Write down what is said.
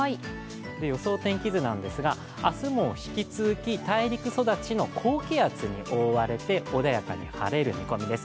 予想天気図なんですが明日も引き続き大陸育ちの高気圧に覆われて穏やかに晴れる見込みです。